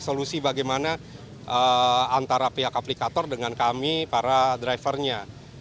solusi bagaimana antara pihak aplikator dengan kami para drivernya